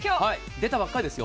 出たばかりですよ。